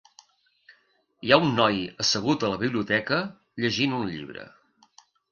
Hi ha un noi assegut a la biblioteca, llegint un llibre.